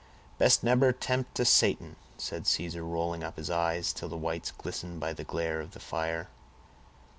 "Best nebber tempt a Satan," said Caesar, rolling up his eyes till the whites glistened by the glare of the fire.